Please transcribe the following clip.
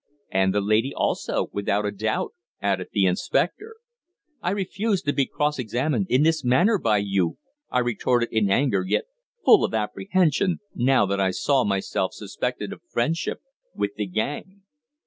"And the lady also, without a doubt!" added the inspector. "I refuse to be cross examined in this manner by you!" I retorted in anger, yet full of apprehension now that I saw myself suspected of friendship with the gang.